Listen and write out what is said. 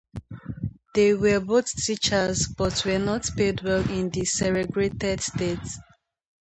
They were both teachers, but were not paid well in the segregated state.